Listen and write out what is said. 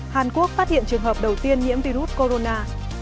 hàn quốc phát hiện trường hợp đầu tiên nhiễm virus corona